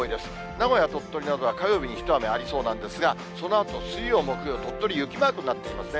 名古屋、鳥取などは火曜日に一雨ありそうなんですが、そのあと水曜、木曜、鳥取雪マークになっていますね。